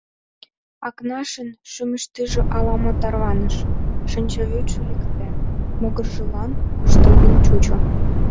Акнашын шӱмыштыжӧ ала-мо тарваныш: шинчавӱдшӧ лекте, могыржылан куштылгын чучо.